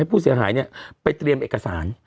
ให้ผู้เสียหายเนี่ยไปเตรียมเอกสาร